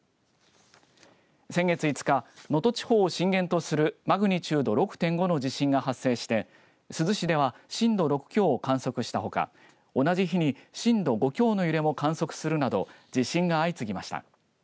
先月５日、能登地方を震源とするマグニチュード６．５の地震が発生して珠洲市では震度６強を観測したほか同じ日に、震度５強の揺れも観測するなど地震が相次ぎました。